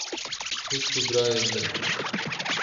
Xwişk û birayên min!